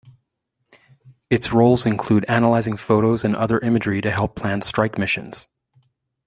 Its roles include analysing photos and other imagery to help plan strike missions.